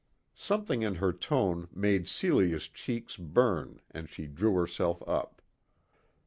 Something in her tone made Celia's cheeks burn and she drew herself up.